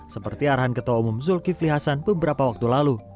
seperti arahan ketua umum zulkifli hasan beberapa waktu lalu